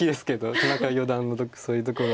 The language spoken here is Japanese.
田中四段のそういうところが。